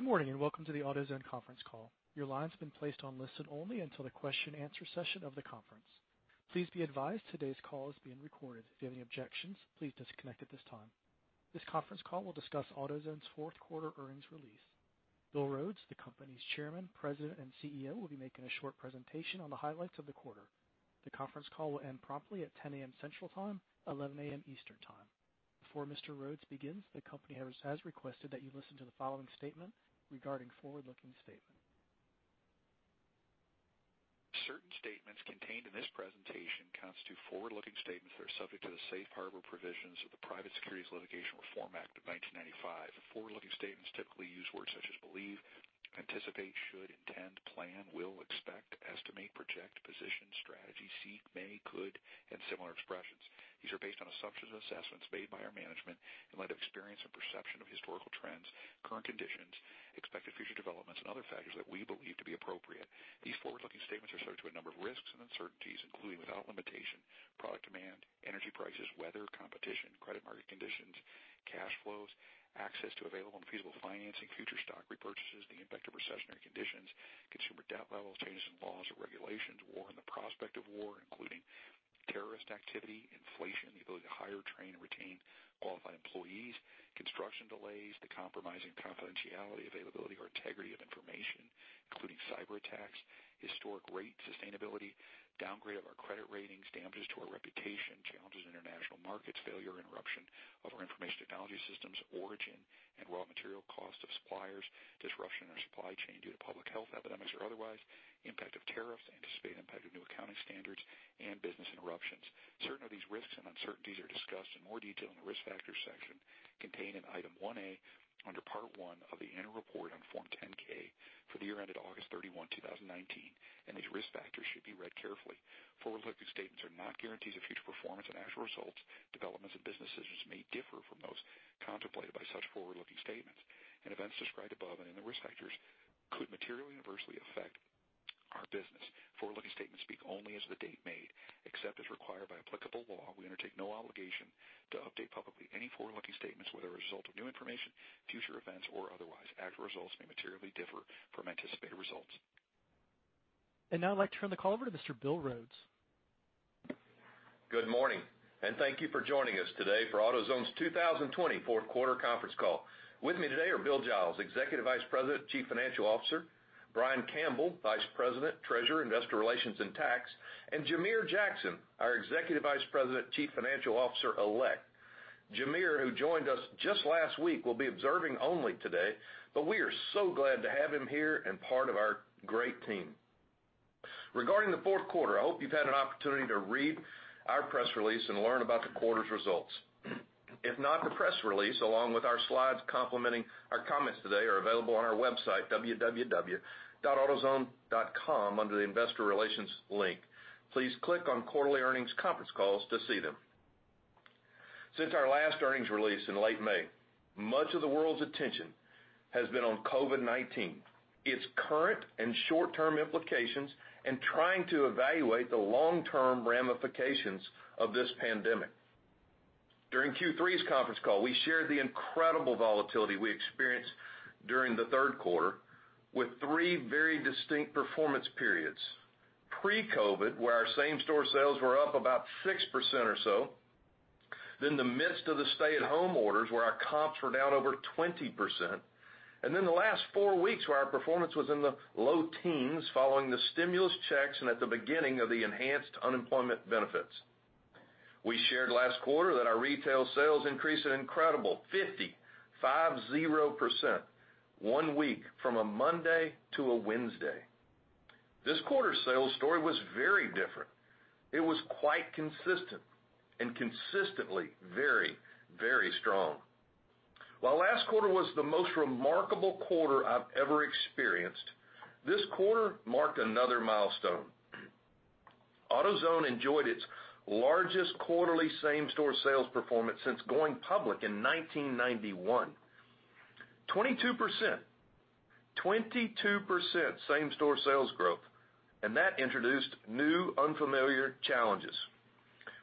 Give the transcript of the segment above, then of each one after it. Good morning, and welcome to the AutoZone conference call. This conference call will discuss AutoZone's Q4 earnings release. Bill Rhodes, the company's Chairman, President, and CEO, will be making a short presentation on the highlights of the quarter. The conference call will end promptly at 10:00 AM Central Time, 11:00 AM Eastern Time. Before Mr. Rhodes begins, the company has requested that you listen to the following statement regarding forward-looking statement. Certain statements contained in this presentation constitute forward-looking statements that are subject to the safe harbor provisions of the Private Securities Litigation Reform Act of 1995. Forward-looking statements typically use words such as believe, anticipate, should, intend, plan, will, expect, estimate, project, position, strategy, seek, may, could, and similar expressions. These are based on assumptions and assessments made by our management in light of experience and perception of historical trends, current conditions, expected future developments, and other factors that we believe to be appropriate. These forward-looking statements are subject to a number of risks and uncertainties, including without limitation, product demand, energy prices, weather, competition, credit market conditions, cash flows, access to available and feasible financing, future stock repurchases, the impact of recessionary conditions, consumer debt levels, changes in laws or regulations, war and the prospect of war, including terrorist activity, inflation, the ability to hire, train, and retain qualified employees, construction delays, the compromising confidentiality, availability, or integrity of information, including cyberattacks, historic rate sustainability, downgrade of our credit ratings, damages to our reputation, challenges in international markets, failure, interruption of our information technology systems, origin and raw material cost of suppliers, disruption in our supply chain due to public health epidemics or otherwise, impact of tariffs, anticipated impact of new accounting standards, and business interruptions. Certain of these risks and uncertainties are discussed in more detail in the Risk Factors section contained in Item 1A under Part 1 of the annual report on Form 10-K for the year ended August 31st, 2019, and these risk factors should be read carefully. Forward-looking statements are not guarantees of future performance, and actual results, developments, and business decisions may differ from those contemplated by such forward-looking statements. Events described above and in the risk factors could materially adversely affect our business. Forward-looking statements speak only as of the date made. Except as required by applicable law, we undertake no obligation to update publicly any forward-looking statements, whether a result of new information, future events, or otherwise. Actual results may materially differ from anticipated results. Now I'd like to turn the call over to Mr. Bill Rhodes. Good morning, and thank you for joining us today for AutoZone's 2020 Q4 conference call. With me today are Bill Giles, Executive Vice President, Chief Financial Officer, Brian Campbell, Vice President, Treasurer, Investor Relations, and Tax, and Jamere Jackson, our Executive Vice President, Chief Financial Officer Elect. Jamere, who joined us just last week, will be observing only today, but we are so glad to have him here and part of our great team. Regarding the Q4, I hope you've had an opportunity to read our press release and learn about the quarter's results. If not, the press release, along with our slides complementing our comments today are available on our website, www.autozone.com, under the Investor Relations link. Please click on Quarterly Earnings Conference Calls to see them. Since our last earnings release in late May, much of the world's attention has been on COVID-19, its current and short-term implications, and trying to evaluate the long-term ramifications of this pandemic. During Q3's conference call, we shared the incredible volatility we experienced during the Q3 with three very distinct performance periods. Pre-COVID, where our same-store sales were up about 6% or so. The midst of the stay-at-home orders, where our comps were down over 20%. The last four weeks, where our performance was in the low teens following the stimulus checks and at the beginning of the enhanced unemployment benefits. We shared last quarter that our retail sales increased an incredible 50, five zero %, one week from a Monday to a Wednesday. This quarter's sales story was very different. It was quite consistent and consistently very, very strong. While last quarter was the most remarkable quarter I've ever experienced, this quarter marked another milestone. AutoZone enjoyed its largest quarterly same-store sales performance since going public in 1991. 22%, 22% same-store sales growth. That introduced new unfamiliar challenges.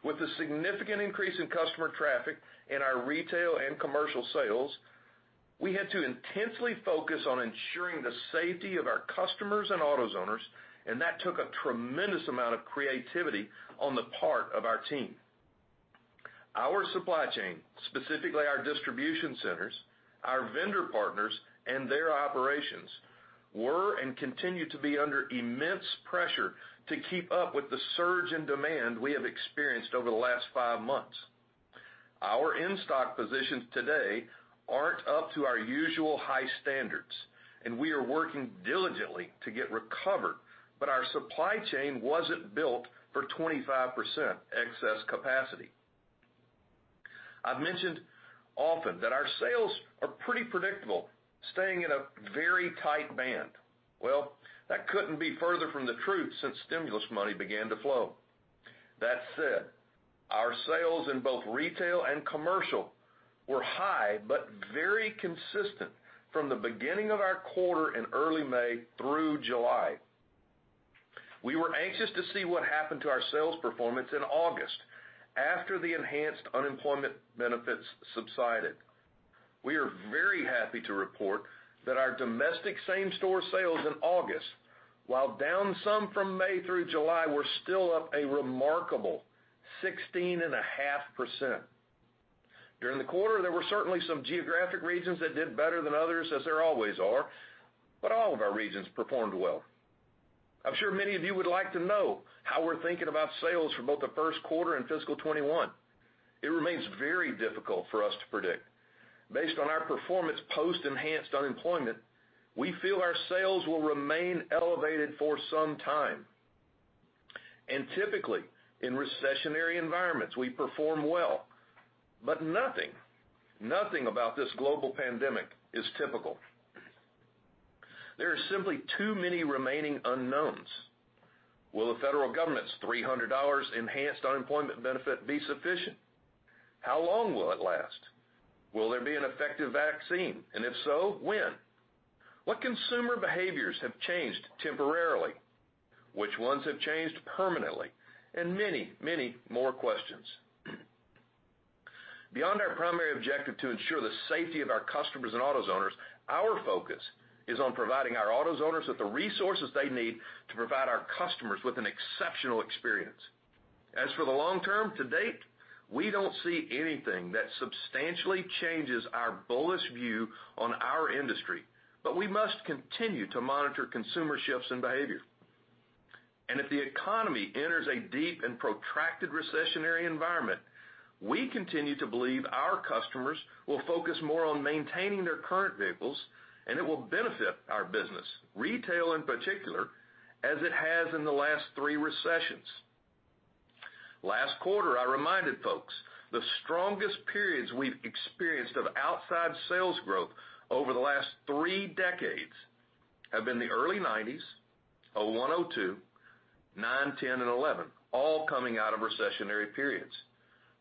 With the significant increase in customer traffic in our retail and commercial sales, we had to intensely focus on ensuring the safety of our customers and AutoZoners. That took a tremendous amount of creativity on the part of our team. Our supply chain, specifically our distribution centers, our vendor partners, and their operations were and continue to be under immense pressure to keep up with the surge in demand we have experienced over the last five months. Our in-stock positions today aren't up to our usual high standards. We are working diligently to get recovered, but our supply chain wasn't built for 25% excess capacity. I've mentioned often that our sales are pretty predictable, staying in a very tight band. Well, that couldn't be further from the truth since stimulus money began to flow. That said, our sales in both retail and commercial were high but very consistent from the beginning of our quarter in early May through July. We were anxious to see what happened to our sales performance in August after the enhanced unemployment benefits subsided. We are very happy to report that our domestic same-store sales in August, while down some from May through July, were still up a remarkable 16.5%. During the quarter, there were certainly some geographic regions that did better than others, as there always are, but all of our regions performed well. I'm sure many of you would like to know how we're thinking about sales for both the Q1 and Fiscal '21. It remains very difficult for us to predict. Based on our performance post enhanced unemployment, we feel our sales will remain elevated for some time. Typically, in recessionary environments, we perform well. Nothing about this global pandemic is typical. There are simply too many remaining unknowns. Will the federal government's $300 enhanced unemployment benefit be sufficient? How long will it last? Will there be an effective vaccine? If so, when? What consumer behaviors have changed temporarily? Which ones have changed permanently? Many, many more questions. Beyond our primary objective to ensure the safety of our customers and AutoZoners, our focus is on providing our AutoZoners with the resources they need to provide our customers with an exceptional experience. As for the long term, to date, we don't see anything that substantially changes our bullish view on our industry, but we must continue to monitor consumer shifts in behavior. If the economy enters a deep and protracted recessionary environment, we continue to believe our customers will focus more on maintaining their current vehicles, and it will benefit our business, retail in particular, as it has in the last three recessions. Last quarter, I reminded folks, the strongest periods we've experienced of outside sales growth over the last three decades have been the early 1990s, 2001, 2002, 2009, 2010, and 2011, all coming out of recessionary periods.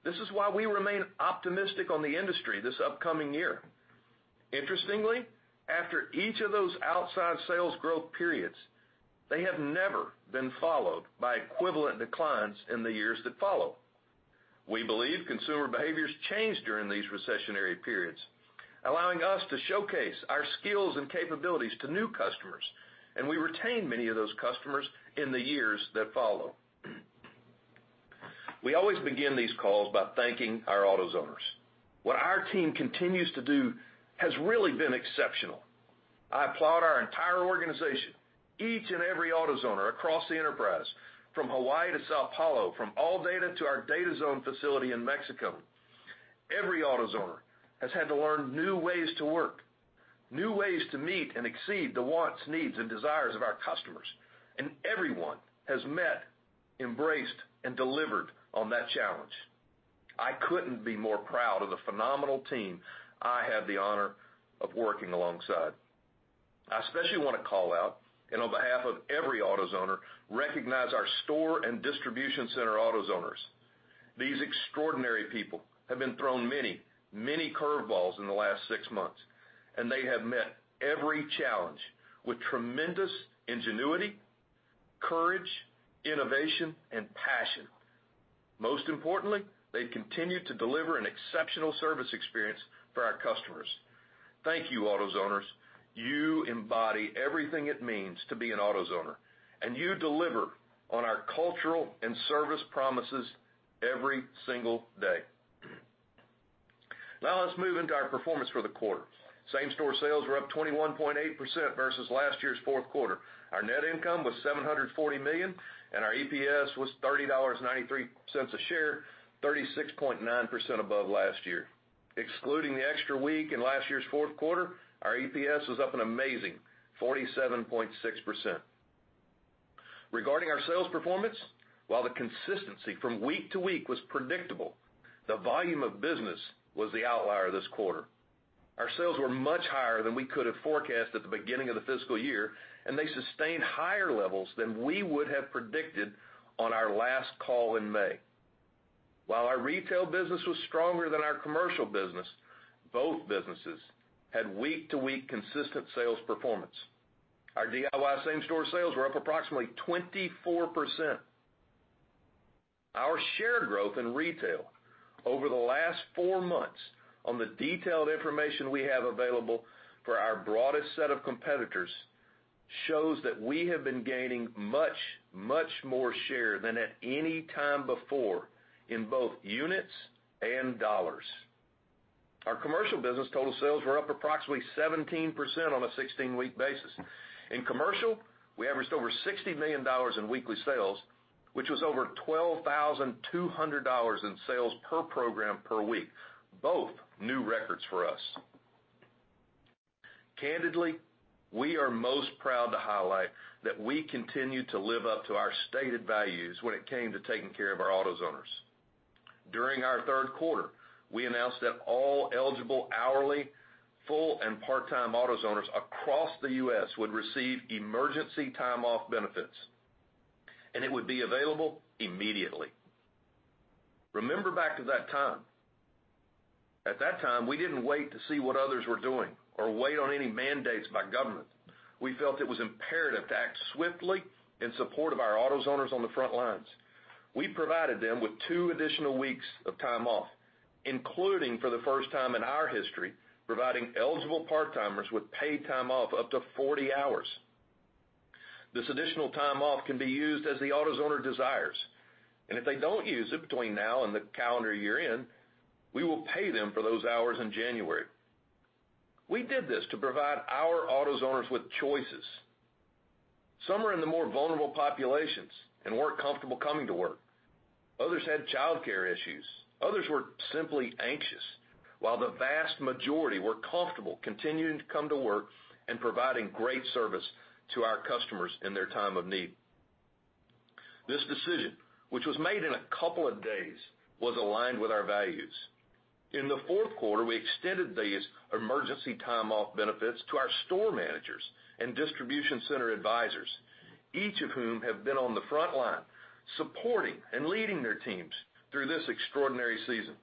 This is why we remain optimistic on the industry this upcoming year. Interestingly, after each of those outside sales growth periods, they have never been followed by equivalent declines in the years that follow. We believe consumer behaviors change during these recessionary periods, allowing us to showcase our skills and capabilities to new customers, and we retain many of those customers in the years that follow. We always begin these calls by thanking our AutoZoners. What our team continues to do has really been exceptional. I applaud our entire organization, each and every AutoZoner across the enterprise, from Hawaii to São Paulo, from ALLDATA to our DataZone facility in Mexico. Every AutoZoner has had to learn new ways to work, new ways to meet and exceed the wants, needs, and desires of our customers, and everyone has met, embraced, and delivered on that challenge. I couldn't be more proud of the phenomenal team I have the honor of working alongside. I especially want to call out, and on behalf of every AutoZoner, recognize our store and distribution center AutoZoners. These extraordinary people have been thrown many, many curve balls in the last six months, and they have met every challenge with tremendous ingenuity, courage, innovation, and passion. Most importantly, they've continued to deliver an exceptional service experience for our customers. Thank you, AutoZoners. You embody everything it means to be an AutoZoner, and you deliver on our cultural and service promises every single day. Now let's move into our performance for the quarter. Same-store sales were up 21.8% versus last year's Q4. Our net income was $740 million, and our EPS was $30.93 a share, 36.9% above last year. Excluding the extra week in last year's Q4, our EPS was up an amazing 47.6%. Regarding our sales performance, while the consistency from week to week was predictable, the volume of business was the outlier this quarter. Our sales were much higher than we could have forecasted at the beginning of the fiscal year, and they sustained higher levels than we would have predicted on our last call in May. While our retail business was stronger than our commercial business, both businesses had week-to-week consistent sales performance. Our DIY same-store sales were up approximately 24%. Our share growth in retail over the last four months on the detailed information we have available for our broadest set of competitors shows that we have been gaining much, much more share than at any time before in both units and dollars. Our commercial business total sales were up approximately 17% on a 16-week basis. In commercial, we averaged over $60 million in weekly sales, which was over $12,200 in sales per program per week, both new records for us. Candidly, we are most proud to highlight that we continued to live up to our stated values when it came to taking care of our AutoZoners. During our Q3, we announced that all eligible hourly, full and part-time AutoZoners across the U.S. would receive emergency time-off benefits, and it would be available immediately. Remember back to that time. At that time, we didn't wait to see what others were doing or wait on any mandates by government. We felt it was imperative to act swiftly in support of our AutoZoners on the front lines. We provided them with two additional weeks of time off, including, for the first time in our history, providing eligible part-timers with paid time off up to 40 hours. This additional time off can be used as the AutoZoner desires, and if they don't use it between now and the calendar year-end, we will pay them for those hours in January. We did this to provide our AutoZoners with choices. Some are in the more vulnerable populations and weren't comfortable coming to work. Others had childcare issues. Others were simply anxious. While the vast majority were comfortable continuing to come to work and providing great service to our customers in their time of need. This decision, which was made in a couple of days, was aligned with our values. In the Q4, we extended these emergency time-off benefits to our store managers and distribution center advisors, each of whom have been on the front line, supporting and leading their teams through this extraordinary season.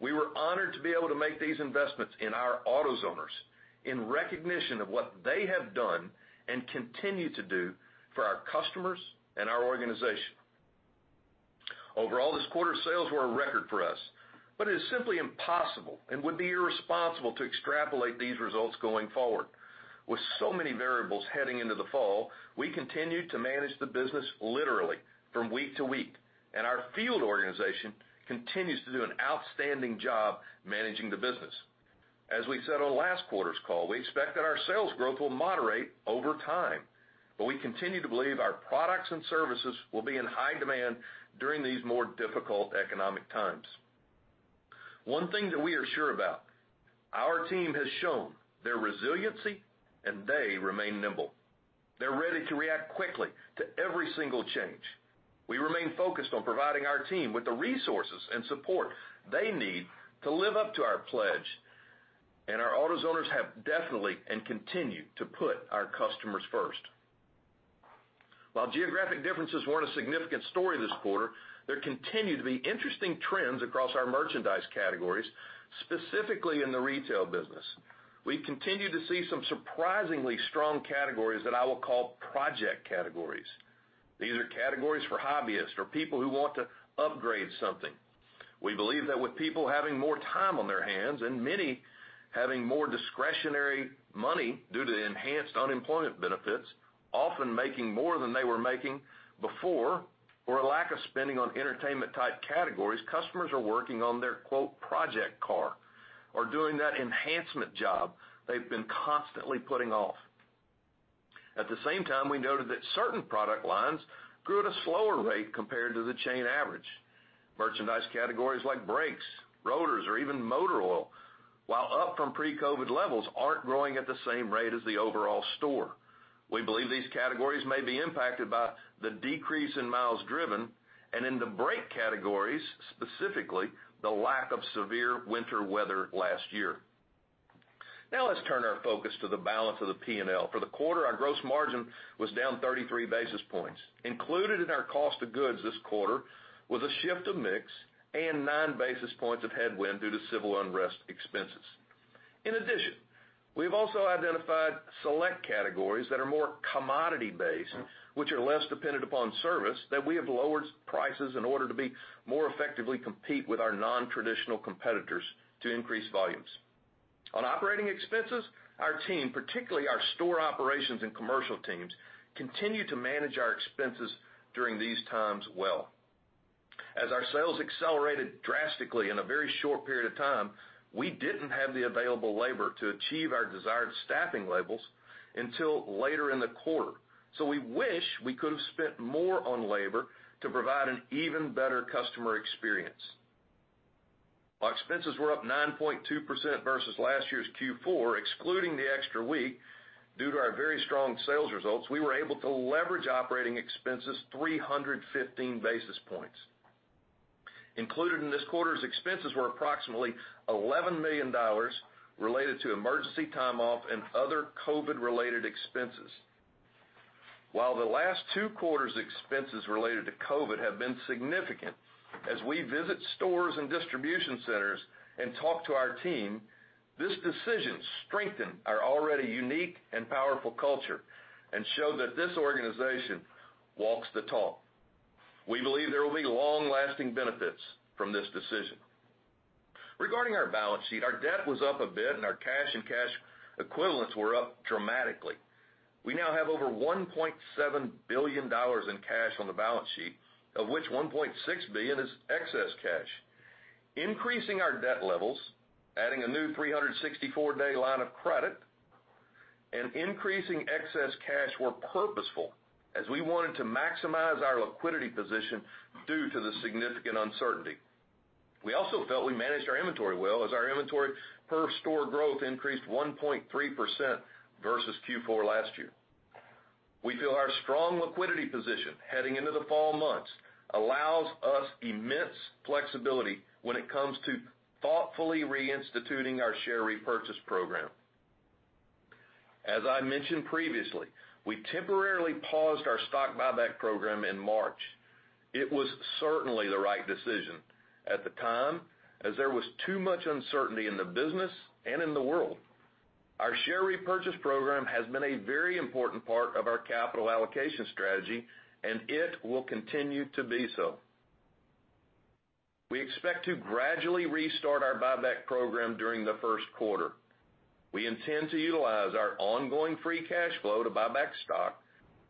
We were honored to be able to make these investments in our AutoZoners in recognition of what they have done and continue to do for our customers and our organization. Overall, this quarter's sales were a record for us, but it is simply impossible and would be irresponsible to extrapolate these results going forward. With so many variables heading into the fall, we continue to manage the business literally from week to week, and our field organization continues to do an outstanding job managing the business. As we said on last quarter's call, we expect that our sales growth will moderate over time, but we continue to believe our products and services will be in high demand during these more difficult economic times. One thing that we are sure about, our team has shown their resiliency, and they remain nimble. They're ready to react quickly to every single change. We remain focused on providing our team with the resources and support they need to live up to our pledge, and our AutoZoners have definitely, and continue to put our customers first. While geographic differences weren't a significant story this quarter, there continue to be interesting trends across our merchandise categories, specifically in the retail business. We continue to see some surprisingly strong categories that I will call project categories. These are categories for hobbyists or people who want to upgrade something. We believe that with people having more time on their hands and many having more discretionary money due to enhanced unemployment benefits, often making more than they were making before, or a lack of spending on entertainment-type categories, customers are working on their "project car" or doing that enhancement job they've been constantly putting off. At the same time, we noted that certain product lines grew at a slower rate compared to the chain average. Merchandise categories like brakes, rotors, or even motor oil, while up from pre-COVID-19 levels, aren't growing at the same rate as the overall store. We believe these categories may be impacted by the decrease in miles driven and in the brake categories, specifically, the lack of severe winter weather last year. Let's turn our focus to the balance of the P&L. For the quarter, our gross margin was down 33 basis points. Included in our cost of goods this quarter was a shift of mix and nine basis points of headwind due to civil unrest expenses. In addition, we've also identified select categories that are more commodity-based, which are less dependent upon service, that we have lowered prices in order to more effectively compete with our non-traditional competitors to increase volumes. On operating expenses, our team, particularly our store operations and commercial teams, continue to manage our expenses during these times well. As our sales accelerated drastically in a very short period of time, we didn't have the available labor to achieve our desired staffing levels until later in the quarter. We wish we could have spent more on labor to provide an even better customer experience. While expenses were up 9.2% versus last year's Q4, excluding the extra week due to our very strong sales results, we were able to leverage operating expenses 315 basis points. Included in this quarter's expenses were approximately $11 million related to emergency time off and other COVID-related expenses. While the last two quarters' expenses related to COVID have been significant, as we visit stores and distribution centers and talk to our team, this decision strengthened our already unique and powerful culture and showed that this organization walks the talk. We believe there will be long-lasting benefits from this decision. Regarding our balance sheet, our debt was up a bit, and our cash and cash equivalents were up dramatically. We now have over $1.7 billion in cash on the balance sheet, of which $1.6 billion is excess cash. Increasing our debt levels, adding a new 364-day line of credit, and increasing excess cash were purposeful as we wanted to maximize our liquidity position due to the significant uncertainty. We also felt we managed our inventory well as our inventory per store growth increased 1.3% versus Q4 last year. We feel our strong liquidity position heading into the fall months allows us immense flexibility when it comes to thoughtfully reinstituting our share repurchase program. As I mentioned previously, we temporarily paused our stock buyback program in March. It was certainly the right decision at the time, as there was too much uncertainty in the business and in the world. Our share repurchase program has been a very important part of our capital allocation strategy, and it will continue to be so. We expect to gradually restart our buyback program during the Q1. We intend to utilize our ongoing free cash flow to buy back stock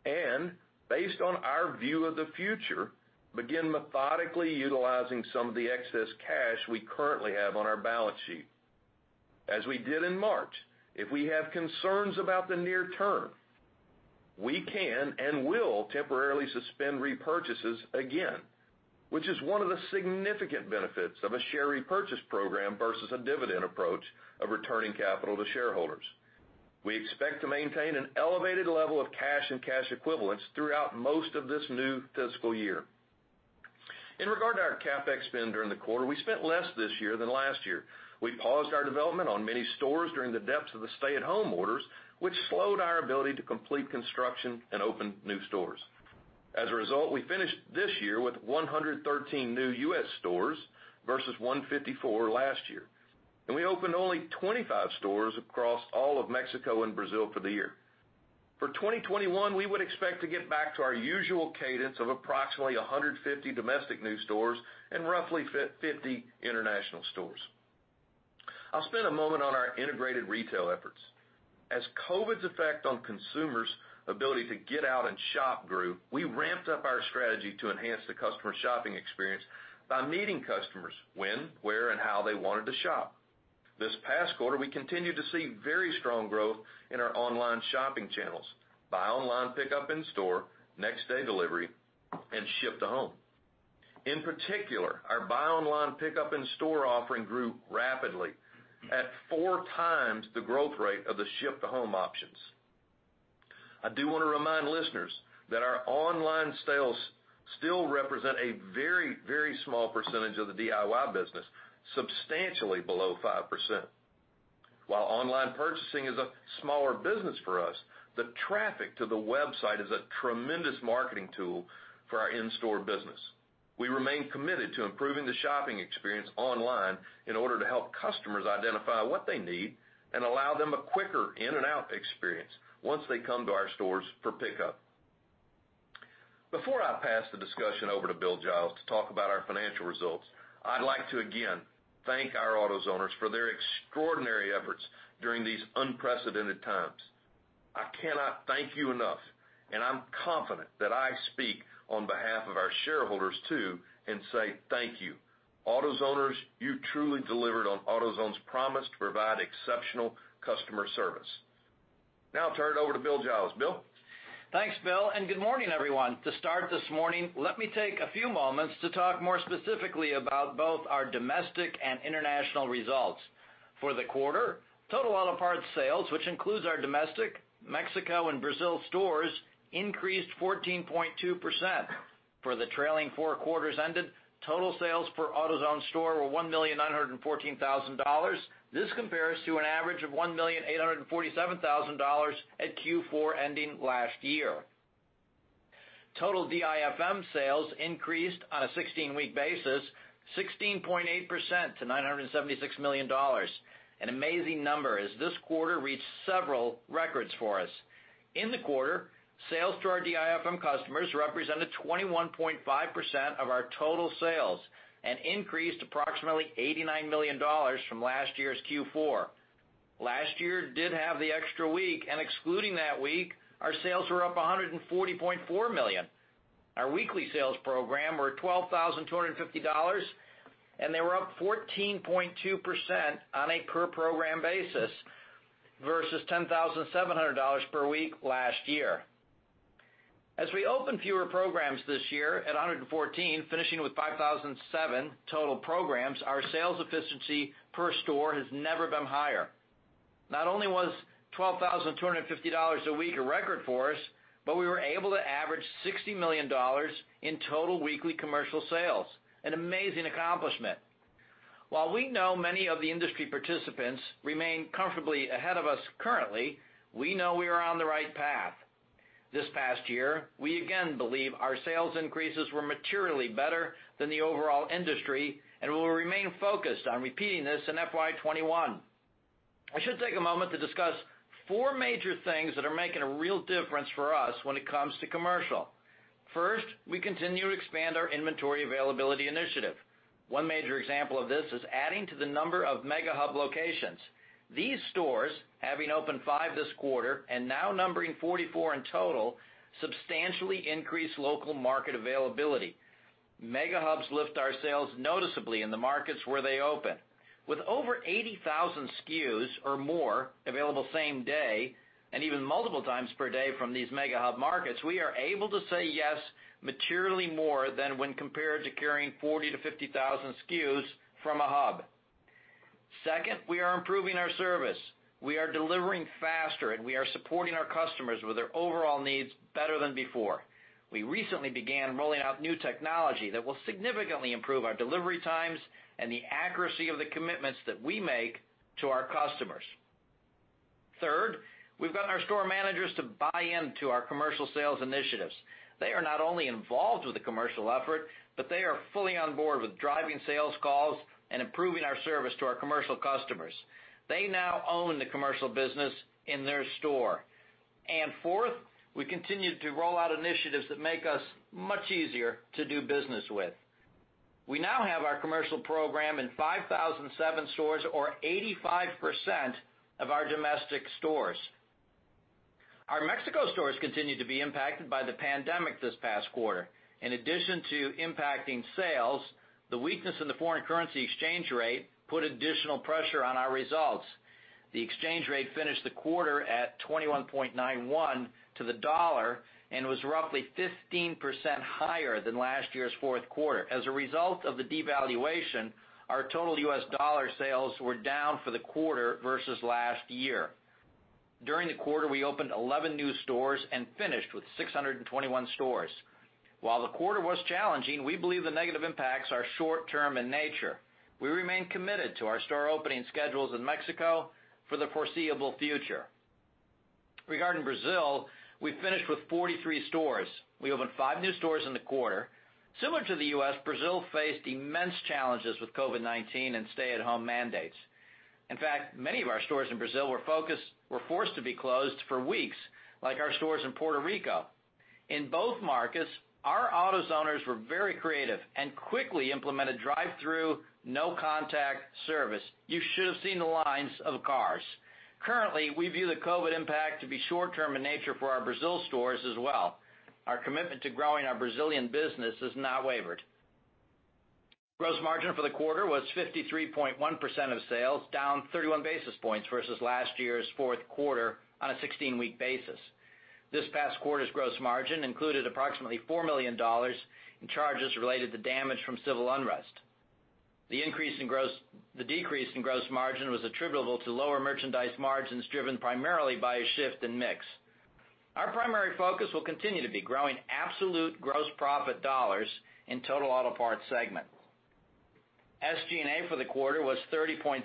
and, based on our view of the future, begin methodically utilizing some of the excess cash we currently have on our balance sheet. As we did in March, if we have concerns about the near term, we can and will temporarily suspend repurchases again, which is one of the significant benefits of a share repurchase program versus a dividend approach of returning capital to shareholders. We expect to maintain an elevated level of cash and cash equivalents throughout most of this new fiscal year. In regard to our CapEx spend during the quarter, we spent less this year than last year. We paused our development on many stores during the depths of the stay-at-home orders, which slowed our ability to complete construction and open new stores. As a result, we finished this year with 113 new U.S. stores versus 154 last year, and we opened only 25 stores across all of Mexico and Brazil for the year. For 2021, we would expect to get back to our usual cadence of approximately 150 domestic new stores and roughly 50 international stores. I'll spend a moment on our integrated retail efforts. As COVID's effect on consumers' ability to get out and shop grew, we ramped up our strategy to enhance the customer shopping experience by meeting customers when, where, and how they wanted to shop. This past quarter, we continued to see very strong growth in our online shopping channels, buy online, pickup in store, next day delivery, and ship to home. In particular, our buy online, pickup in store offering grew rapidly at 4 times the growth rate of the ship to home options. I do want to remind listeners that our online sales still represent a very small percentage of the DIY business, substantially below 5%. While online purchasing is a smaller business for us, the traffic to the website is a tremendous marketing tool for our in-store business. We remain committed to improving the shopping experience online in order to help customers identify what they need and allow them a quicker in and out experience once they come to our stores for pickup. Before I pass the discussion over to Bill Giles to talk about our financial results, I'd like to again thank our AutoZoners for their extraordinary efforts during these unprecedented times. I cannot thank you enough, and I'm confident that I speak on behalf of our shareholders too and say thank you. AutoZoners, you truly delivered on AutoZone's promise to provide exceptional customer service. I'll turn it over to Bill Giles. Bill? Thanks, Bill. Good morning, everyone. To start this morning, let me take a few moments to talk more specifically about both our domestic and international results. For the quarter, total auto parts sales, which includes our domestic, Mexico, and Brazil stores, increased 14.2%. For the trailing four quarters ended, total sales per AutoZone store were $1,914,000. This compares to an average of $1,847,000 at Q4 ending last year. Total DIFM sales increased on a 16-week basis, 16.8% to $976 million. An amazing number, as this quarter reached several records for us. In the quarter, sales to our DIFM customers represented 21.5% of our total sales and increased approximately $89 million from last year's Q4. Last year did have the extra week. Excluding that week, our sales were up $140.4 million. Our weekly sales program were $12,250, and they were up 14.2% on a per program basis versus $10,700 per week last year. As we open fewer programs this year at 114, finishing with 5,007 total programs, our sales efficiency per store has never been higher. Not only was $12,250 a week a record for us, but we were able to average $60 million in total weekly commercial sales, an amazing accomplishment. While we know many of the industry participants remain comfortably ahead of us currently, we know we are on the right path. This past year, we again believe our sales increases were materially better than the overall industry, and we will remain focused on repeating this in FY21. I should take a moment to discuss four major things that are making a real difference for us when it comes to commercial. First, we continue to expand our inventory availability initiative. One major example of this is adding to the number of Mega Hub locations. These stores, having opened five this quarter and now numbering 44 in total, substantially increase local market availability. Mega Hubs lift our sales noticeably in the markets where they open. With over 80,000 SKUs or more available same day and even multiple times per day from these Mega Hub markets, we are able to say yes materially more than when compared to carrying 40,000-50,000 SKUs from a hub. Second, we are improving our service. We are delivering faster, and we are supporting our customers with their overall needs better than before. We recently began rolling out new technology that will significantly improve our delivery times and the accuracy of the commitments that we make to our customers. Third, we've gotten our store managers to buy into our commercial sales initiatives. They are not only involved with the commercial effort, but they are fully on board with driving sales calls and improving our service to our commercial customers. They now own the commercial business in their store. Fourth, we continue to roll out initiatives that make us much easier to do business with. We now have our Commercial program in 5,007 stores or 85% of our domestic stores. Our Mexico stores continued to be impacted by the pandemic this past quarter. In addition to impacting sales, the weakness in the foreign currency exchange rate put additional pressure on our results. The exchange rate finished the quarter at 21.91 to the USD and was roughly 15% higher than last year's Q4. As a result of the devaluation, our total U.S. dollar sales were down for the quarter versus last year. During the quarter, we opened 11 new stores and finished with 621 stores. While the quarter was challenging, we believe the negative impacts are short-term in nature. We remain committed to our store opening schedules in Mexico for the foreseeable future. Regarding Brazil, we finished with 43 stores. We opened five new stores in the quarter. Similar to the U.S., Brazil faced immense challenges with COVID-19 and stay-at-home mandates. In fact, many of our stores in Brazil were forced to be closed for weeks, like our stores in Puerto Rico. In both markets, our AutoZoners were very creative and quickly implemented drive-thru, no-contact service. You should have seen the lines of cars. Currently, we view the COVID impact to be short-term in nature for our Brazil stores as well. Our commitment to growing our Brazilian business has not wavered. Gross margin for the quarter was 53.1% of sales, down 31 basis points versus last year's Q4 on a 16-week basis. This past quarter's gross margin included approximately $4 million in charges related to damage from civil unrest. The decrease in gross margin was attributable to lower merchandise margins driven primarily by a shift in mix. Our primary focus will continue to be growing absolute gross profit dollars in total auto parts segment. SG&A for the quarter was 30.7%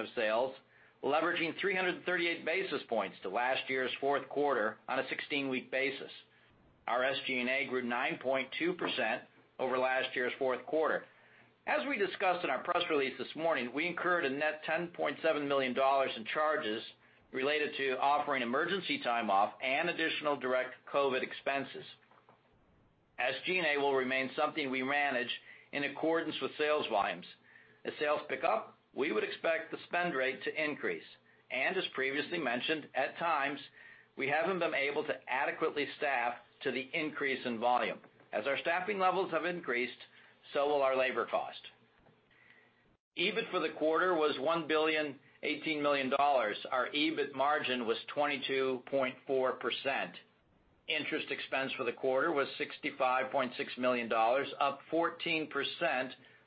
of sales, leveraging 338 basis points to last year's Q4 on a 16-week basis. Our SG&A grew 9.2% over last year's Q4. As we discussed in our press release this morning, we incurred a net $10.7 million in charges related to offering emergency time off and additional direct COVID expenses. SG&A will remain something we manage in accordance with sales volumes. As sales pick up, we would expect the spend rate to increase. As previously mentioned, at times, we haven't been able to adequately staff to the increase in volume. As our staffing levels have increased, so will our labor cost. EBIT for the quarter was $1,018 million. Our EBIT margin was 22.4%. Interest expense for the quarter was $65.6 million, up 14%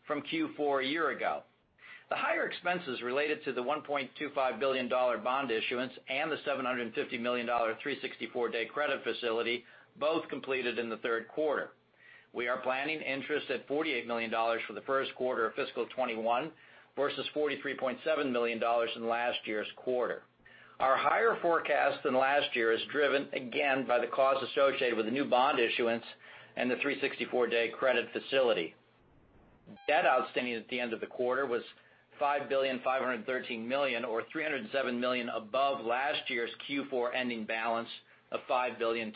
from Q4 a year ago. The higher expenses related to the $1.25 billion bond issuance and the $750 million 364-day credit facility, both completed in the Q3. We are planning interest at $48 million for the Q1 of fiscal 2021 versus $43.7 million in last year's quarter. Our higher forecast than last year is driven again by the costs associated with the new bond issuance and the 364-day credit facility. Debt outstanding at the end of the quarter was $5,513 million or $307 million above last year's Q4 ending balance of $5,206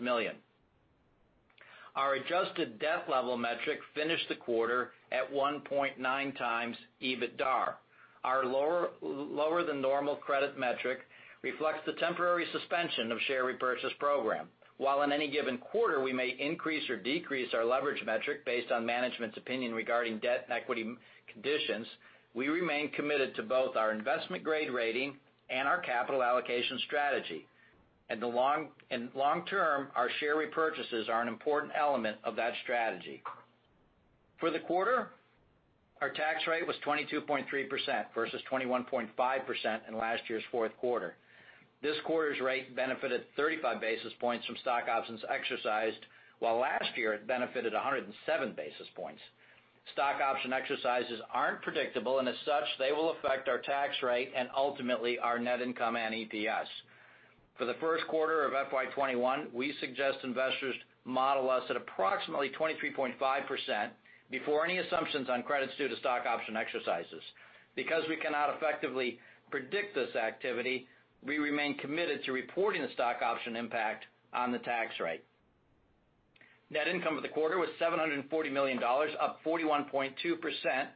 million. Our adjusted debt level metric finished the quarter at 1.9 times EBITDAR. Our lower than normal credit metric reflects the temporary suspension of share repurchase program. While in any given quarter, we may increase or decrease our leverage metric based on management's opinion regarding debt and equity conditions, we remain committed to both our investment grade rating and our capital allocation strategy. In long term, our share repurchases are an important element of that strategy. For the quarter, our tax rate was 22.3% versus 21.5% in last year's Q4. This quarter's rate benefited 35 basis points from stock options exercised, while last year it benefited 107 basis points. Stock option exercises aren't predictable, and as such, they will affect our tax rate and ultimately our net income and EPS. For the Q1 of FY21, we suggest investors model us at approximately 23.5% before any assumptions on credits due to stock option exercises. Because we cannot effectively predict this activity, we remain committed to reporting the stock option impact on the tax rate. Net income for the quarter was $740 million, up 41.2%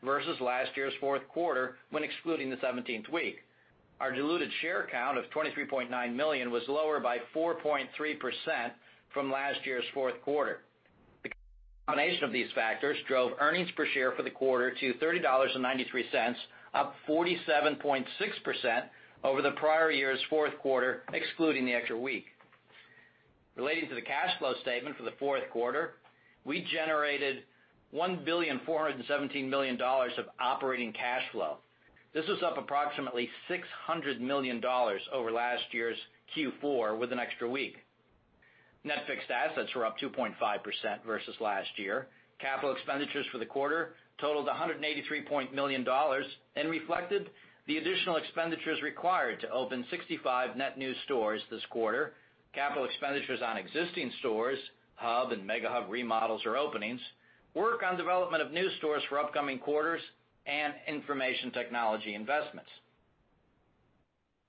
versus last year's Q4 when excluding the 17th week. Our diluted share count of 23.9 million was lower by 4.3% from last year's Q4. The combination of these factors drove earnings per share for the quarter to $30.93, up 47.6% over the prior year's Q4, excluding the extra week. Relating to the cash flow statement for the Q4, we generated $1,417 million of operating cash flow. This was up approximately $600 million over last year's Q4 with an extra week. Net fixed assets were up 2.5% versus last year. Capital expenditures for the quarter totaled $183 million and reflected the additional expenditures required to open 65 net new stores this quarter. Capital expenditures on existing stores, hub and Mega Hub remodels or openings, work on development of new stores for upcoming quarters, and information technology investments.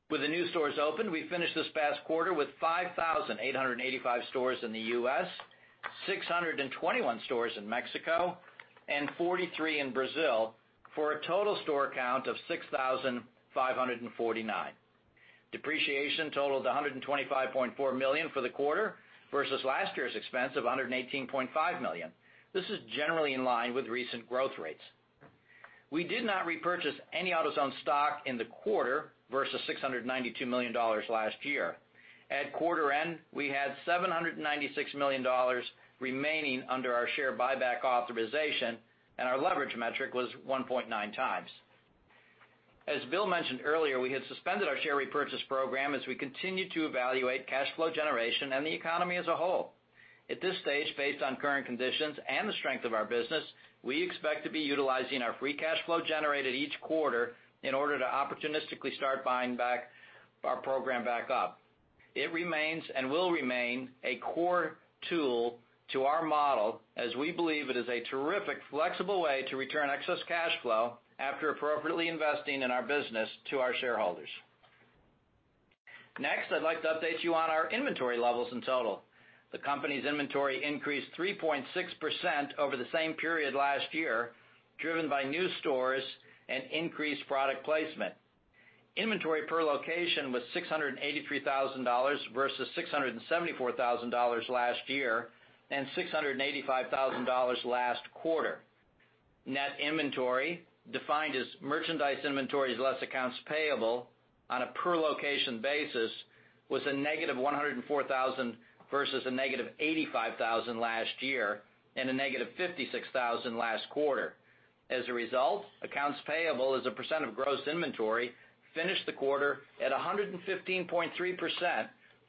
With the new stores open, we finished this past quarter with 5,885 stores in the U.S., 621 stores in Mexico, and 43 in Brazil, for a total store count of 6,549. Depreciation totaled $125.4 million for the quarter versus last year's expense of $118.5 million. This is generally in line with recent growth rates. We did not repurchase any AutoZone stock in the quarter versus $692 million last year. At quarter end, we had $796 million remaining under our share buyback authorization, and our leverage metric was 1.9 times. As Bill mentioned earlier, we had suspended our share repurchase program as we continue to evaluate cash flow generation and the economy as a whole. At this stage, based on current conditions and the strength of our business, we expect to be utilizing our free cash flow generated each quarter in order to opportunistically start buying back our program back up. It remains and will remain a core tool to our model as we believe it is a terrific, flexible way to return excess cash flow after appropriately investing in our business to our shareholders. Next, I'd like to update you on our inventory levels in total. The company's inventory increased 3.6% over the same period last year, driven by new stores and increased product placement. Inventory per location was $683,000 versus $674,000 last year and $685,000 last quarter. Net inventory, defined as merchandise inventories less accounts payable on a per location basis, was a negative $104,000 versus a negative $85,000 last year and a negative $56,000 last quarter. As a result, accounts payable as a percent of gross inventory finished the quarter at 115.3%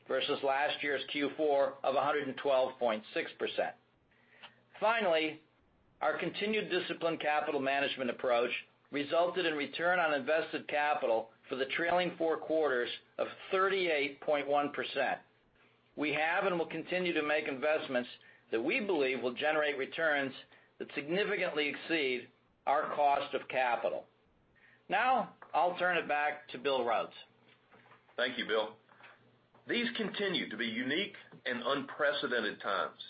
versus last year's Q4 of 112.6%. Finally, our continued disciplined capital management approach resulted in return on invested capital for the trailing four quarters of 38.1%. We have and will continue to make investments that we believe will generate returns that significantly exceed our cost of capital. I'll turn it back to Bill Rhodes. Thank you, Bill. These continue to be unique and unprecedented times,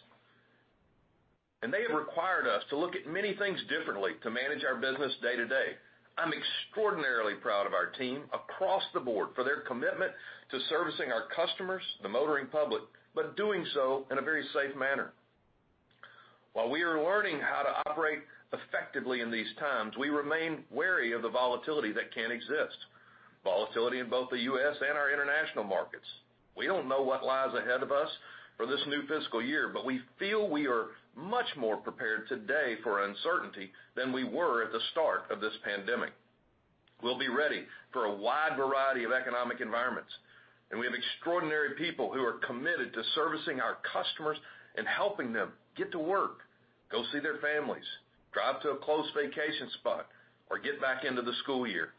and they have required us to look at many things differently to manage our business day to day. I'm extraordinarily proud of our team across the board for their commitment to servicing our customers, the motoring public, but doing so in a very safe manner. While we are learning how to operate effectively in these times, we remain wary of the volatility that can exist. Volatility in both the U.S. and our international markets. We don't know what lies ahead of us for this new fiscal year, but we feel we are much more prepared today for uncertainty than we were at the start of this pandemic. We'll be ready for a wide variety of economic environments. We have extraordinary people who are committed to servicing our customers and helping them get to work, go see their families, drive to a close vacation spot, or get back into the school year.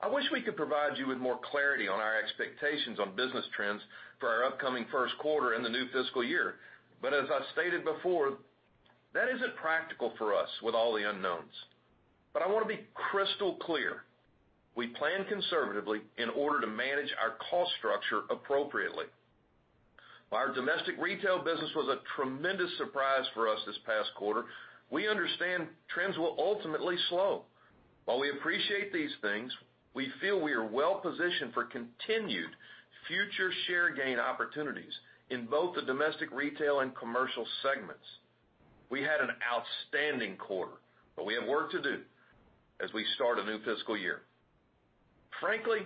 I wish we could provide you with more clarity on our expectations on business trends for our upcoming Q1 in the new fiscal year. As I stated before, that isn't practical for us with all the unknowns. I want to be crystal clear. We plan conservatively in order to manage our cost structure appropriately. While our domestic retail business was a tremendous surprise for us this past quarter, we understand trends will ultimately slow. While we appreciate these things, we feel we are well positioned for continued future share gain opportunities in both the domestic retail and commercial segments. We had an outstanding quarter. We have work to do as we start a new fiscal year. Frankly,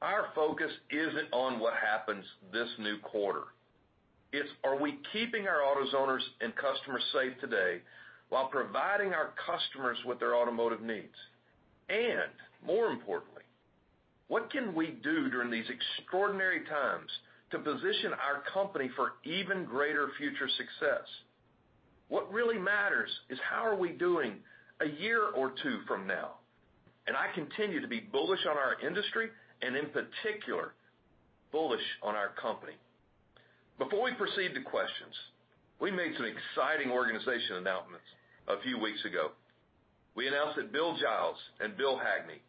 our focus isn't on what happens this new quarter. It's are we keeping our AutoZoners and customers safe today while providing our customers with their automotive needs? More importantly, what can we do during these extraordinary times to position our company for even greater future success? What really matters is how are we doing a year or two from now? I continue to be bullish on our industry and in particular, bullish on our company. Before we proceed to questions, we made some exciting organization announcements a few weeks ago. We announced that Bill Giles and Bill Hackney,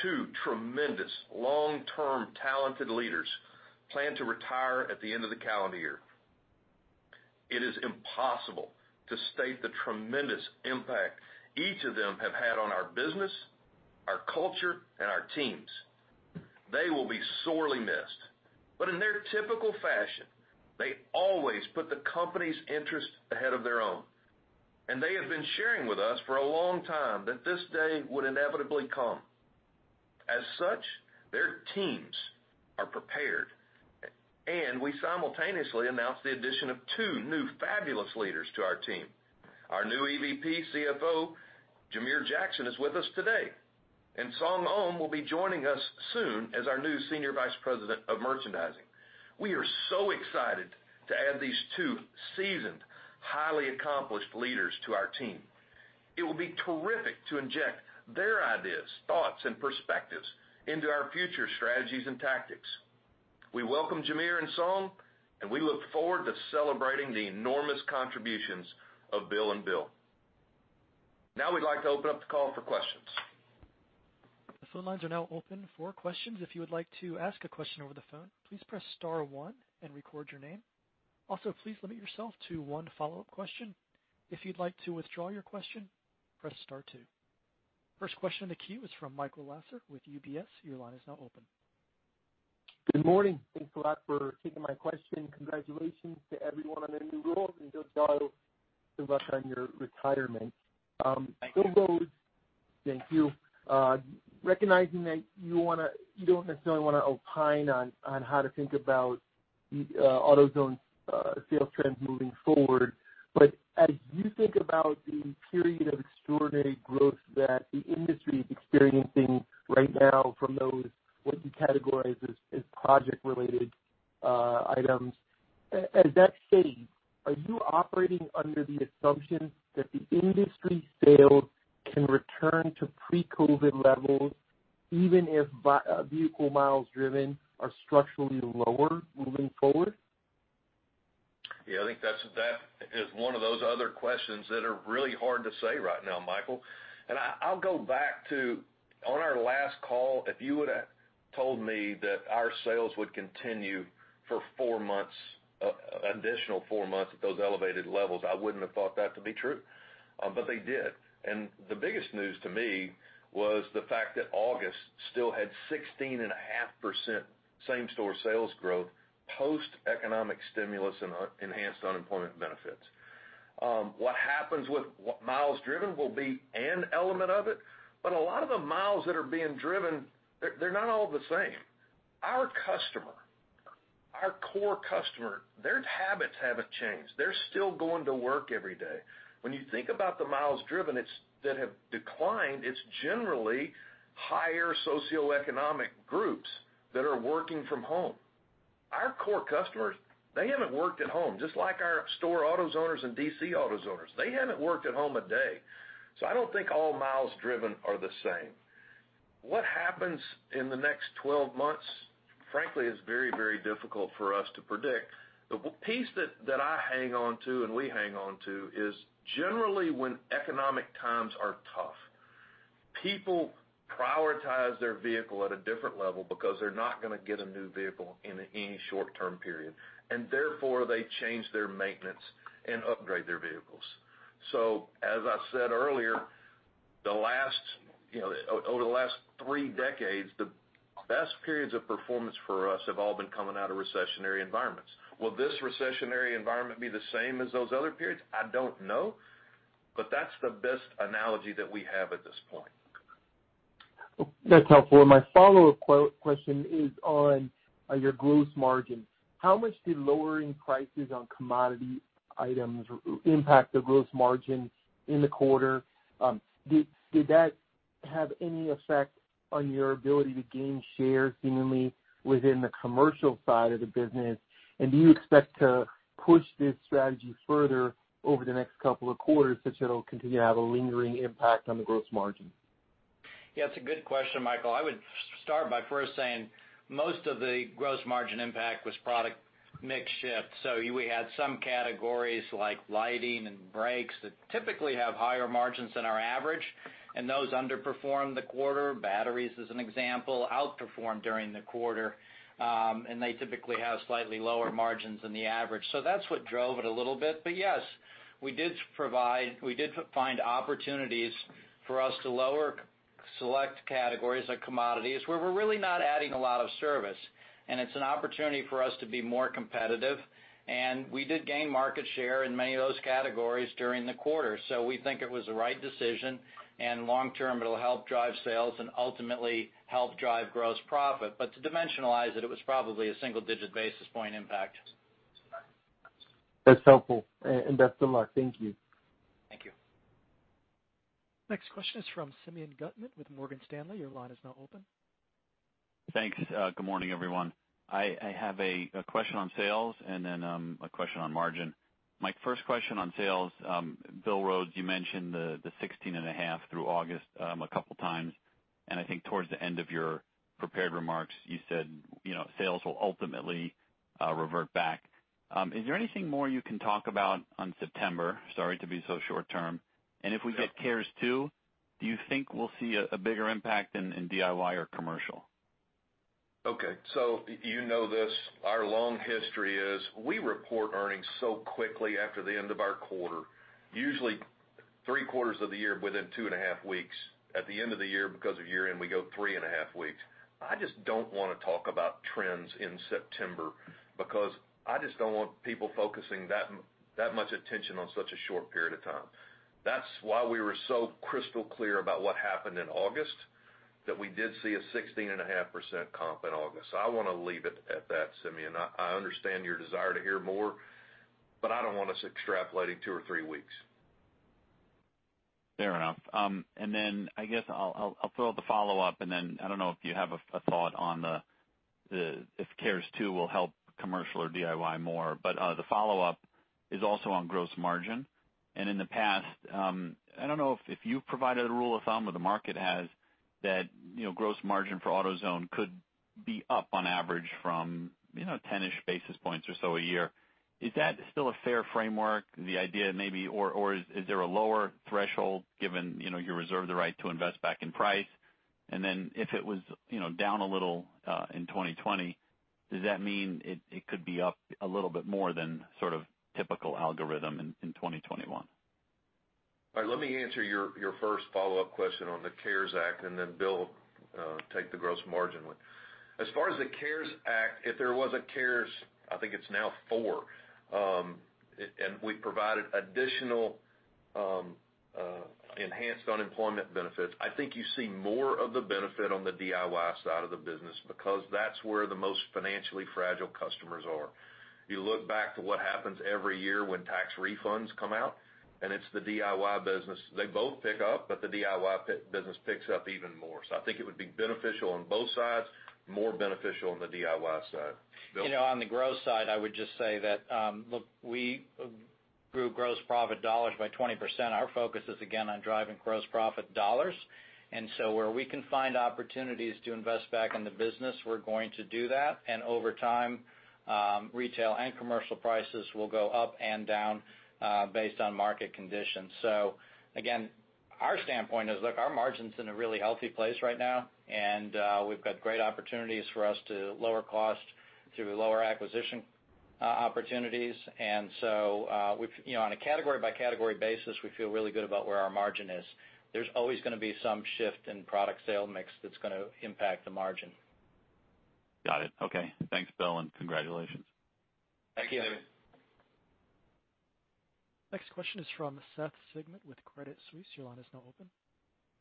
two tremendous long-term talented leaders, plan to retire at the end of the calendar year. It is impossible to state the tremendous impact each of them have had on our business, our culture, and our teams. They will be sorely missed. In their typical fashion, they always put the company's interests ahead of their own. They have been sharing with us for a long time that this day would inevitably come. As such, their teams are prepared, and we simultaneously announced the addition of two new fabulous leaders to our team. Our new EVP CFO, Jamere Jackson, is with us today, and Seong Ohm will be joining us soon as our new Senior Vice President of Merchandising. We are so excited to add these two seasoned, highly accomplished leaders to our team. It will be terrific to inject their ideas, thoughts, and perspectives into our future strategies and tactics. We welcome Jamere and Seong, and we look forward to celebrating the enormous contributions of Bill and Bill. Now we'd like to open up the call for questions. The phone lines are now open for questions. If you would like to ask a question over the phone, please press star one and record your name. Also, please limit yourself to one follow-up question. If you'd like to withdraw your question, press star two. First question in the queue is from Michael Lasser with UBS. Your line is now open. Good morning. Thanks a lot for taking my question. Congratulations to everyone on their new roles and good luck on your retirement. Thank you. Thank you. Recognizing that you don't necessarily want to opine on how to think about AutoZone's sales trends moving forward, but as you think about the period of extraordinary growth that the industry is experiencing right now from those, what you categorize as project-related items, as that fades, are you operating under the assumption that the industry sales can return to pre-COVID levels even if vehicle miles driven are structurally lower moving forward? Yeah, I think that is one of those other questions that are really hard to say right now, Michael. I'll go back to on our last call, if you would have told me that our sales would continue for an additional four months at those elevated levels, I wouldn't have thought that to be true, but they did. The biggest news to me was the fact that August still had 16.5% same-store sales growth post-economic stimulus and enhanced unemployment benefits. What happens with miles driven will be an element of it, but a lot of the miles that are being driven, they're not all the same. Our customer, our core customer, their habits haven't changed. They're still going to work every day. When you think about the miles driven that have declined, it's generally higher socioeconomic groups that are working from home. Our core customers, they haven't worked at home, just like our store AutoZoners and D.C. AutoZoners. They haven't worked at home a day. I don't think all miles driven are the same. What happens in the next 12 months, frankly, is very difficult for us to predict. The piece that I hang on to and we hang on to is generally when economic times are tough, people prioritize their vehicle at a different level because they're not going to get a new vehicle in any short-term period, and therefore they change their maintenance and upgrade their vehicles. As I said earlier, over the last three decades, the best periods of performance for us have all been coming out of recessionary environments. Will this recessionary environment be the same as those other periods? I don't know, that's the best analogy that we have at this point. That's helpful. My follow-up question is on your gross margin. How much did lowering prices on commodity items impact the gross margin in the quarter? Did that have any effect on your ability to gain share seemingly within the commercial side of the business? Do you expect to push this strategy further over the next couple of quarters, such that it'll continue to have a lingering impact on the gross margin? Yeah, it's a good question, Michael. I would start by first saying most of the gross margin impact was product mix shift. We had some categories like lighting and brakes that typically have higher margins than our average, and those underperformed the quarter. Batteries, as an example, outperformed during the quarter. They typically have slightly lower margins than the average. That's what drove it a little bit. Yes, we did find opportunities for us to lower select categories of commodities where we're really not adding a lot of service, and it's an opportunity for us to be more competitive. We did gain market share in many of those categories during the quarter. We think it was the right decision, and long term, it'll help drive sales and ultimately help drive gross profit. To dimensionalize it was probably a single-digit basis point impact. That's helpful. Best of luck. Thank you. Thank you. Next question is from Simeon Gutman with Morgan Stanley. Your line is now open. Thanks. Good morning, everyone. I have a question on sales and then a question on margin. My first question on sales, Bill Rhodes, you mentioned the 16.5 through August a couple times, and I think towards the end of your prepared remarks, you said sales will ultimately revert back. Is there anything more you can talk about on September? Sorry to be so short term. If we get CARES 2, do you think we'll see a bigger impact in DIY or commercial? Okay. You know this, our long history is we report earnings so quickly after the end of our quarter, usually three quarters of the year within two and a half weeks. At the end of the year, because of year-end, we go 3 and a half weeks. I just don't want to talk about trends in September because I just don't want people focusing that much attention on such a short period of time. That's why we were so crystal clear about what happened in August. That we did see a 16.5% comp in August. I want to leave it at that, Simeon. I understand your desire to hear more, but I don't want us extrapolating two or three weeks. Fair enough. I guess I'll throw out the follow-up, and then I don't know if you have a thought on if CARES 2 will help commercial or DIY more, but the follow-up is also on gross margin. In the past, I don't know if you've provided a rule of thumb or the market has, that gross margin for AutoZone could be up on average from 10-ish basis points or so a year. Is that still a fair framework? The idea maybe or is there a lower threshold given you reserve the right to invest back in price? If it was down a little in 2020, does that mean it could be up a little bit more than sort of typical algorithm in 2021? All right. Let me answer your first follow-up question on the CARES Act, and then Bill will take the gross margin one. As far as the CARES Act, if there was a CARES, I think it's now four, and we provided additional enhanced unemployment benefits. I think you see more of the benefit on the DIY side of the business, because that's where the most financially fragile customers are. You look back to what happens every year when tax refunds come out, and it's the DIY business. They both pick up, but the DIY business picks up even more. I think it would be beneficial on both sides, more beneficial on the DIY side. Bill? On the growth side, I would just say that we grew gross profit dollars by 20%. Our focus is again on driving gross profit dollars. Where we can find opportunities to invest back in the business, we're going to do that. Over time, retail and commercial prices will go up and down, based on market conditions. Again, our standpoint is, look, our margin's in a really healthy place right now, and we've got great opportunities for us to lower cost through lower acquisition opportunities. On a category by category basis, we feel really good about where our margin is. There's always going to be some shift in product sale mix that's going to impact the margin. Got it. Okay. Thanks, Bill, and congratulations. Thank you. Thank you. Next question is from Seth Sigman with Credit Suisse. Your line is now open.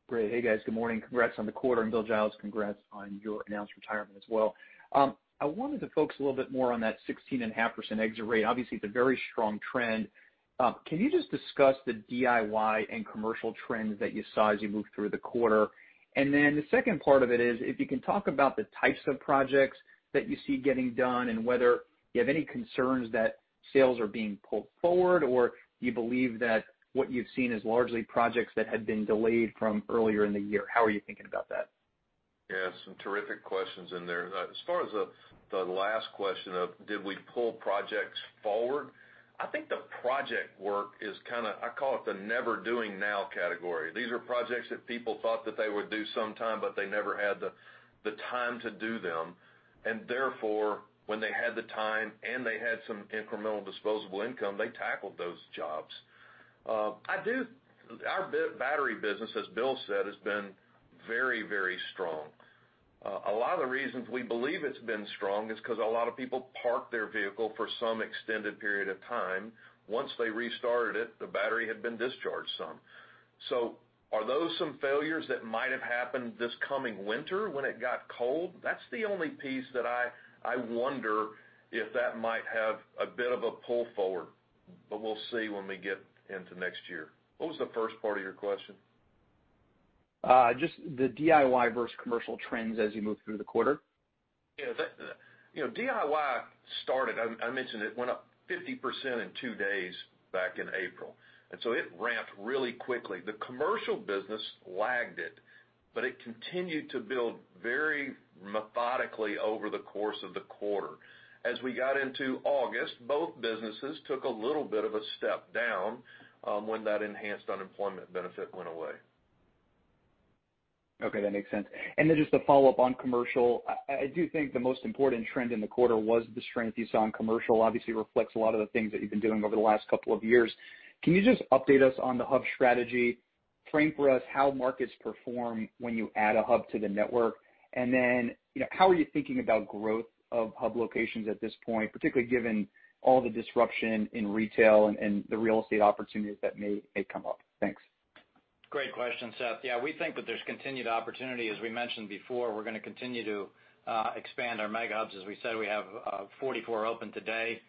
Great. Hey, guys. Good morning. Congrats on the quarter, and Bill Giles, congrats on your announced retirement as well. I wanted to focus a little bit more on that 16.5% exit rate. Obviously, it's a very strong trend. Can you just discuss the DIY and commercial trends that you saw as you moved through the quarter? The second part of it is, if you can talk about the types of projects that you see getting done and whether you have any concerns that sales are being pulled forward, or you believe that what you've seen is largely projects that had been delayed from earlier in the year. How are you thinking about that? Yeah. Some terrific questions in there. As far as the last question of did we pull projects forward, I think the project work is kind of, I call it the never doing now category. These are projects that people thought that they would do sometime, but they never had the time to do them. Therefore, when they had the time and they had some incremental disposable income, they tackled those jobs. Our battery business, as Bill said, has been very strong. A lot of the reasons we believe it's been strong is because a lot of people parked their vehicle for some extended period of time. Once they restarted it, the battery had been discharged some. Are those some failures that might have happened this coming winter when it got cold? That's the only piece that I wonder if that might have a bit of a pull forward. We'll see when we get into next year. What was the first part of your question? Just the DIY versus commercial trends as you move through the quarter. DIY started, I mentioned it went up 50% in two days back in April. It ramped really quickly. The commercial business lagged it, but it continued to build very methodically over the course of the quarter. As we got into August, both businesses took a little bit of a step down when that enhanced unemployment benefit went away. Okay, that makes sense. Just a follow-up on commercial. I do think the most important trend in the quarter was the strength you saw in commercial. Obviously reflects a lot of the things that you've been doing over the last couple of years. Can you just update us on the hub strategy? Frame for us how markets perform when you add a hub to the network. How are you thinking about growth of hub locations at this point, particularly given all the disruption in retail and the real estate opportunities that may come up? Thanks. Great question, Seth. Yeah, we think that there's continued opportunity. As we mentioned before, we're going to continue to expand our Mega Hubs. As we said, we have 44 open today.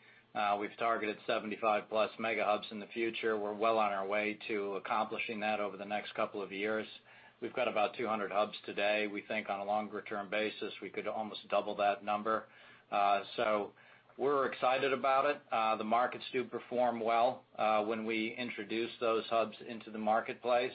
We've targeted 75 plus Mega Hubs in the future. We're well on our way to accomplishing that over the next couple of years. We've got about 200 hubs today. We think on a longer-term basis, we could almost double that number. We're excited about it. The markets do perform well when we introduce those hubs into the marketplace.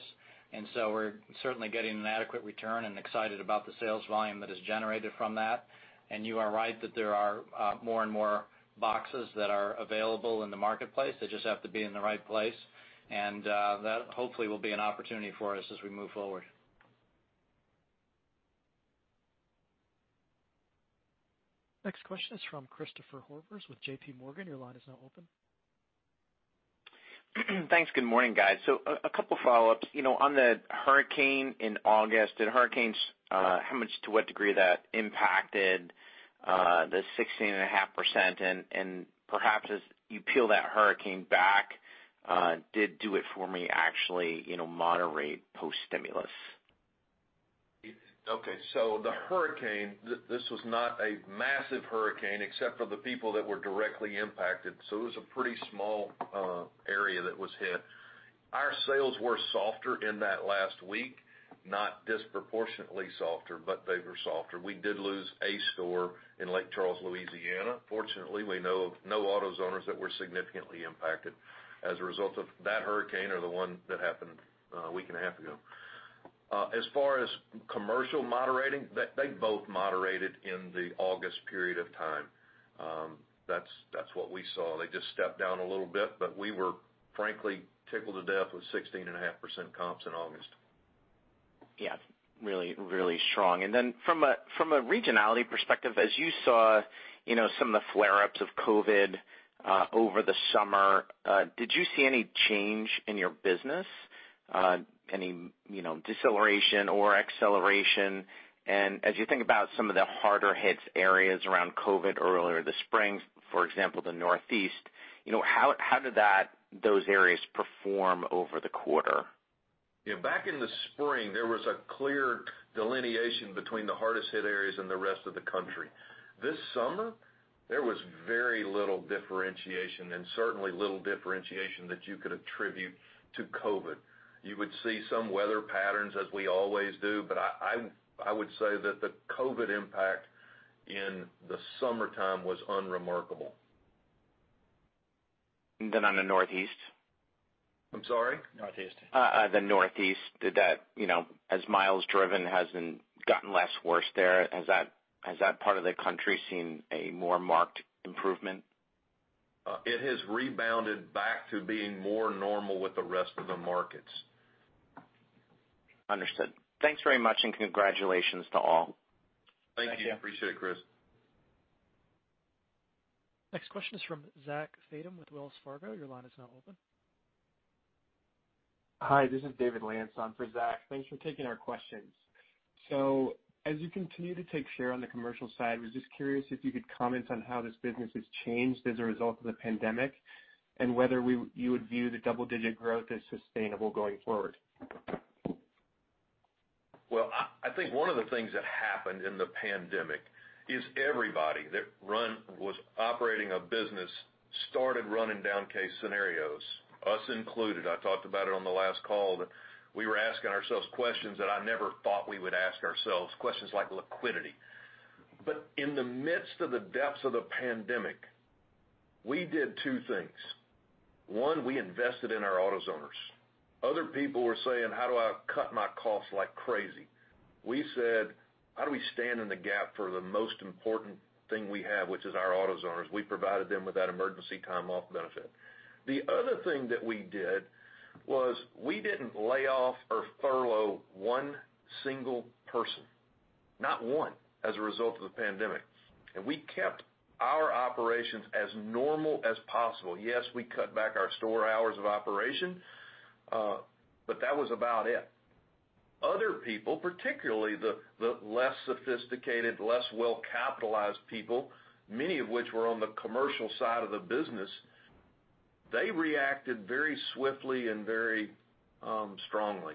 We're certainly getting an adequate return and excited about the sales volume that is generated from that. You are right that there are more and more boxes that are available in the marketplace. They just have to be in the right place. That hopefully will be an opportunity for us as we move forward. Next question is from Christopher Horvers with J.P. Morgan. Your line is now open. Thanks. Good morning, guys. A couple follow-ups. On the hurricane in August, did hurricanes, how much to what degree that impacted the 16.5%? Perhaps as you peel that hurricane back, did do it for me, actually, moderate post-stimulus. Okay. The hurricane, this was not a massive hurricane except for the people that were directly impacted. It was a pretty small area that was hit. Our sales were softer in that last week, not disproportionately softer, but they were softer. We did lose a store in Lake Charles, Louisiana. Fortunately, we know of no AutoZoners that were significantly impacted as a result of that hurricane or the one that happened a week and a half ago. As far as commercial moderating, they both moderated in the August period of time. That's what we saw. They just stepped down a little bit, but we were frankly tickled to death with 16.5% comps in August. Yeah. Really strong. From a regionality perspective, as you saw some of the flare-ups of COVID over the summer, did you see any change in your business? Any deceleration or acceleration? As you think about some of the harder-hit areas around COVID earlier this spring, for example, the Northeast, how did those areas perform over the quarter? Back in the spring, there was a clear delineation between the hardest-hit areas and the rest of the country. This summer, there was very little differentiation and certainly little differentiation that you could attribute to COVID. You would see some weather patterns as we always do, but I would say that the COVID impact in the summertime was unremarkable. On the Northeast? I'm sorry? Northeast. The Northeast, as miles driven has gotten less worse there, has that part of the country seen a more marked improvement? It has rebounded back to being more normal with the rest of the markets. Understood. Thanks very much, and congratulations to all. Thank you. Appreciate it, Chris. Next question is from Zach Fadem with Wells Fargo. Your line is now open. Hi, this is David Lantz on for Zach. Thanks for taking our questions. As you continue to take share on the commercial side, was just curious if you could comment on how this business has changed as a result of the pandemic, and whether you would view the double-digit growth as sustainable going forward. Well, I think one of the things that happened in the pandemic is everybody that was operating a business started running down case scenarios, us included. I talked about it on the last call, that we were asking ourselves questions that I never thought we would ask ourselves, questions like liquidity. In the midst of the depths of the pandemic, we did two things. One, we invested in our AutoZoners. Other people were saying, "How do I cut my costs like crazy?" We said, "How do we stand in the gap for the most important thing we have, which is our AutoZoners?" We provided them with that emergency time-off benefit. The other thing that we did was we didn't lay off or furlough one single person, not one, as a result of the pandemic. We kept our operations as normal as possible. Yes, we cut back our store hours of operation, but that was about it. Other people, particularly the less sophisticated, less well-capitalized people, many of which were on the commercial side of the business, they reacted very swiftly and very strongly.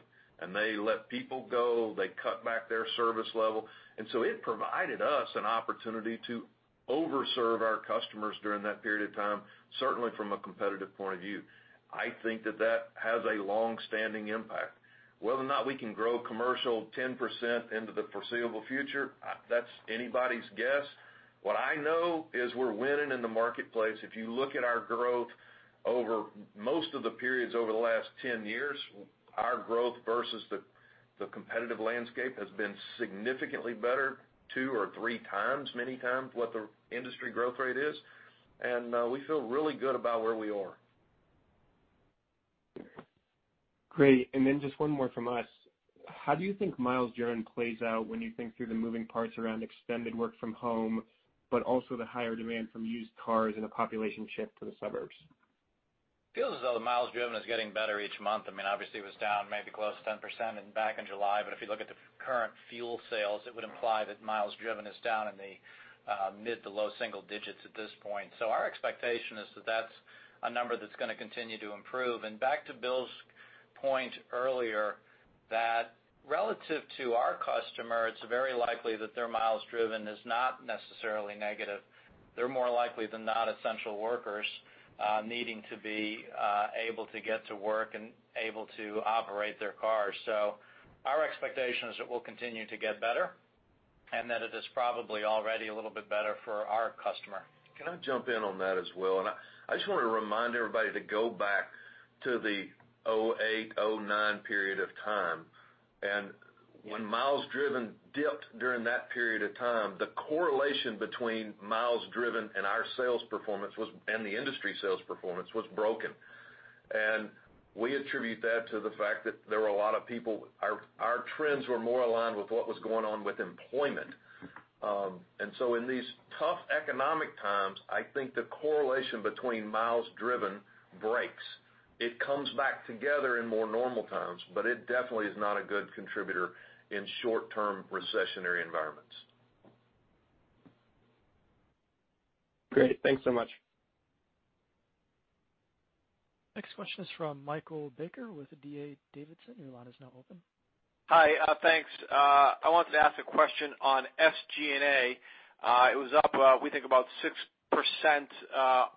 They let people go, they cut back their service level. It provided us an opportunity to over-serve our customers during that period of time, certainly from a competitive point of view. I think that that has a long-standing impact. Whether or not we can grow commercial 10% into the foreseeable future, that's anybody's guess. What I know is we're winning in the marketplace. If you look at our growth over most of the periods over the last 10 years, our growth versus the competitive landscape has been significantly better two or three times, many times what the industry growth rate is. We feel really good about where we are. Great. Just one more from us. How do you think miles driven plays out when you think through the moving parts around extended work from home, but also the higher demand from used cars and a population shift to the suburbs? Feels as though the miles driven is getting better each month. It was down maybe close to 10% back in July. If you look at the current fuel sales, it would imply that miles driven is down in the mid to low single digits at this point. Our expectation is that that's a number that's going to continue to improve. Back to Bill's point earlier, that relative to our customer, it's very likely that their miles driven is not necessarily negative. They're more likely than not essential workers needing to be able to get to work and able to operate their cars. Our expectation is it will continue to get better and that it is probably already a little bit better for our customer. Can I jump in on that as well? I just want to remind everybody to go back to the 2008, 2009 period of time. When miles driven dipped during that period of time, the correlation between miles driven and our sales performance and the industry sales performance was broken. We attribute that to the fact that our trends were more aligned with what was going on with employment. In these tough economic times, I think the correlation between miles driven breaks. It comes back together in more normal times, but it definitely is not a good contributor in short-term recessionary environments. Great. Thanks so much. Next question is from Michael Baker with D.A. Davidson. Your line is now open. Hi, thanks. I wanted to ask a question on SGA. It was up, we think about 6%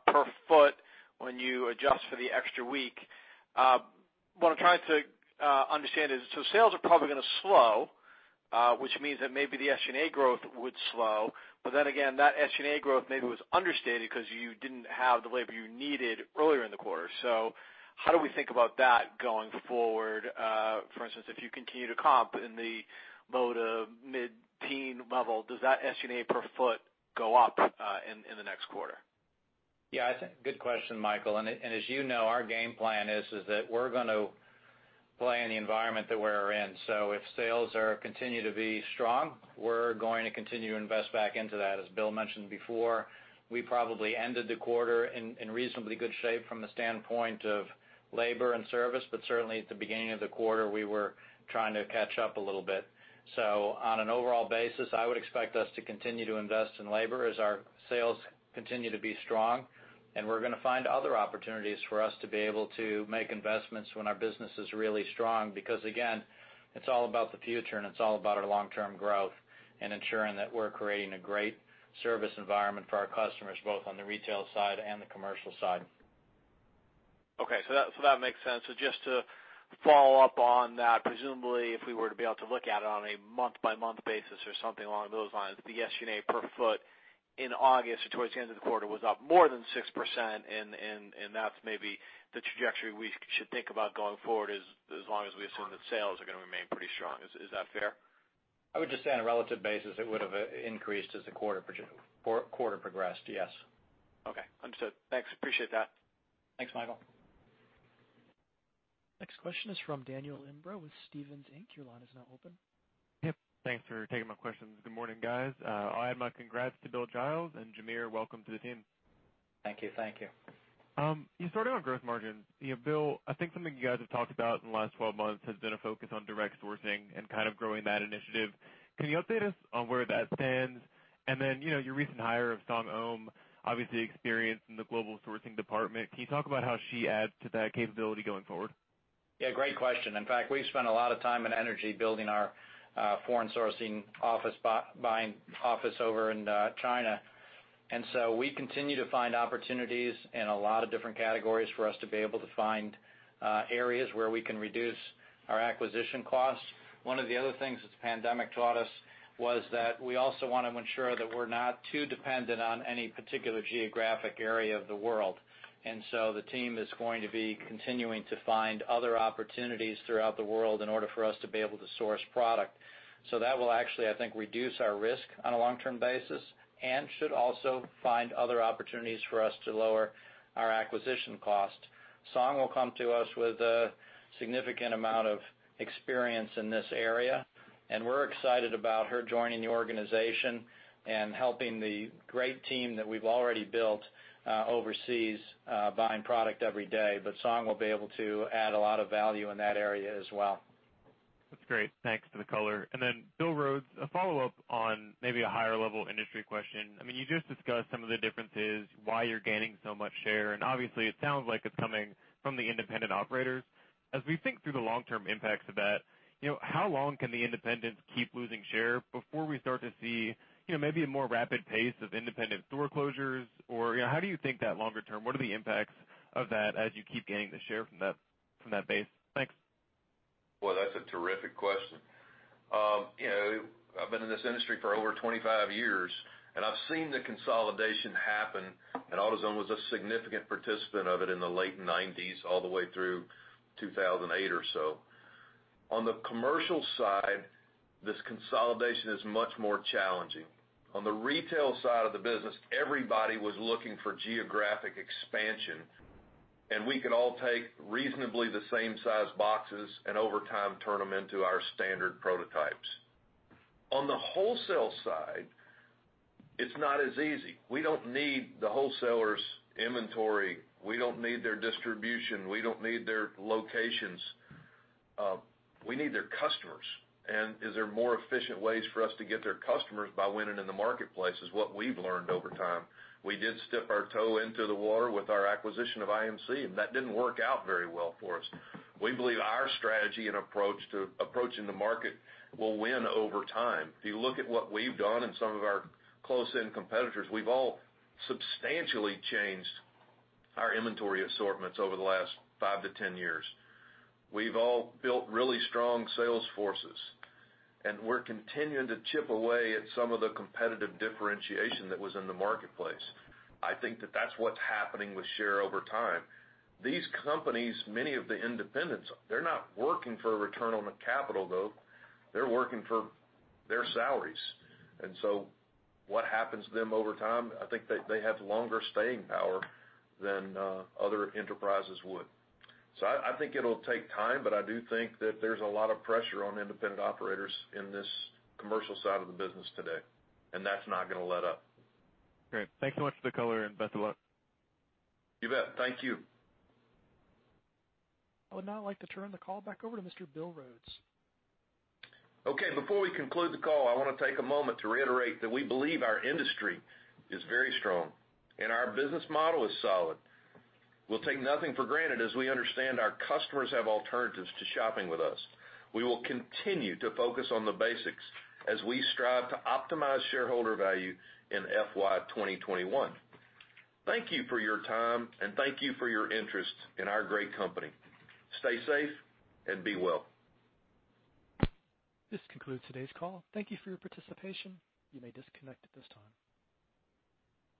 per foot when you adjust for the extra week. What I'm trying to understand is, so sales are probably going to slow, which means that maybe the SGA growth would slow, but then again, that SGA growth maybe was understated because you didn't have the labor you needed earlier in the quarter. How do we think about that going forward? For instance, if you continue to comp in the low to mid-teen level, does that SGA per foot go up in the next quarter? Yeah, I think good question, Michael. As you know, our game plan is that we're going to play in the environment that we're in. If sales continue to be strong, we're going to continue to invest back into that. As Bill mentioned before, we probably ended the quarter in reasonably good shape from the standpoint of labor and service. Certainly, at the beginning of the quarter, we were trying to catch up a little bit. On an overall basis, I would expect us to continue to invest in labor as our sales continue to be strong. We're going to find other opportunities for us to be able to make investments when our business is really strong. Again, it's all about the future and it's all about our long-term growth and ensuring that we're creating a great service environment for our customers, both on the retail side and the commercial side. Okay. That makes sense. Just to follow up on that, presumably, if we were to be able to look at it on a month-by-month basis or something along those lines, the SGA per foot in August or towards the end of the quarter was up more than 6%. That's maybe the trajectory we should think about going forward, as long as we assume that sales are going to remain pretty strong. Is that fair? I would just say on a relative basis, it would have increased as the quarter progressed. Yes. Okay. Understood. Thanks. Appreciate that. Thanks, Michael. Next question is from Daniel Imbro with Stephens Inc. Your line is now open. Thanks for taking my questions. Good morning, guys. I'll add my congrats to Bill Giles, and Jamere, welcome to the team. Thank you. Thank you. Starting on gross margins, Bill, I think something you guys have talked about in the last 12 months has been a focus on direct sourcing and kind of growing that initiative. Can you update us on where that stands? Your recent hire of Seong Ohm, obviously experienced in the global sourcing department. Can you talk about how she adds to that capability going forward? Yeah, great question. In fact, we've spent a lot of time and energy building our foreign sourcing office, buying office over in China. We continue to find opportunities in a lot of different categories for us to be able to find areas where we can reduce our acquisition costs. One of the other things this pandemic taught us was that we also want to ensure that we're not too dependent on any particular geographic area of the world. The team is going to be continuing to find other opportunities throughout the world in order for us to be able to source product. That will actually, I think, reduce our risk on a long-term basis and should also find other opportunities for us to lower our acquisition cost. Seong will come to us with a significant amount of experience in this area, and we're excited about her joining the organization and helping the great team that we've already built overseas buying product every day. Seong will be able to add a lot of value in that area as well. That's great. Thanks for the color. Then Bill Rhodes, a follow-up on maybe a higher level industry question. You just discussed some of the differences, why you're gaining so much share, and obviously it sounds like it's coming from the independent operators. As we think through the long-term impacts of that, how long can the independents keep losing share before we start to see maybe a more rapid pace of independent store closures? How do you think that longer term, what are the impacts of that as you keep gaining the share from that base? Thanks. Boy, that's a terrific question. I've been in this industry for over 25 years, and I've seen the consolidation happen, and AutoZone was a significant participant of it in the late '90s all the way through 2008 or so. On the commercial side, this consolidation is much more challenging. On the retail side of the business, everybody was looking for geographic expansion, and we could all take reasonably the same size boxes and over time turn them into our standard prototypes. On the wholesale side, it's not as easy. We don't need the wholesalers' inventory. We don't need their distribution. We don't need their locations. We need their customers. Is there more efficient ways for us to get their customers by winning in the marketplace, is what we've learned over time. We did dip our toe into the water with our acquisition of IMC, and that didn't work out very well for us. We believe our strategy and approach to approaching the market will win over time. If you look at what we've done and some of our close-in competitors, we've all substantially changed our inventory assortments over the last 5 years-10 years. We've all built really strong sales forces, and we're continuing to chip away at some of the competitive differentiation that was in the marketplace. I think that that's what's happening with share over time. These companies, many of the independents, they're not working for a return on the capital, though. They're working for their salaries. What happens to them over time? I think they have longer staying power than other enterprises would. I think it'll take time, but I do think that there's a lot of pressure on independent operators in this commercial side of the business today, and that's not going to let up. Great. Thanks so much for the color, and best of luck. You bet. Thank you. I would now like to turn the call back over to Mr. Bill Rhodes. Okay. Before we conclude the call, I want to take a moment to reiterate that we believe our industry is very strong and our business model is solid. We'll take nothing for granted as we understand our customers have alternatives to shopping with us. We will continue to focus on the basics as we strive to optimize shareholder value in FY 2021. Thank you for your time, and thank you for your interest in our great company. Stay safe and be well. This concludes today's call. Thank you for your participation. You may disconnect at this time.